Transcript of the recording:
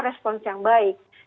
respon yang baik